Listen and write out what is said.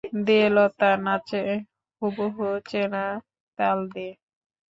দে লতা, নাচে হুবুহু চেনা তাল দে।